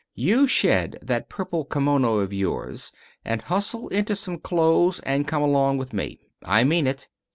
"You shed that purple kimono of yours and hustle into some clothes and come along with me. I mean it.